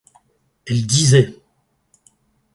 Elle disait .